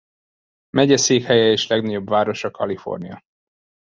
Megyeszékhelye és legnagyobb városa California.